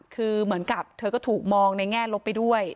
คือเหมือนกับเธอก็ถูกมองในแง่ลบไปด้วย